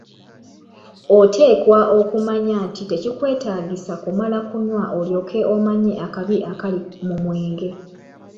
Oteekwa okumanya nti tekikwetaagisa kumala kunywa olyoke omanye akabi akali mu mwenge.